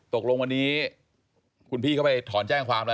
ตกลงวันนี้คุณพี่เขาไปถอนแจ้งความแล้ว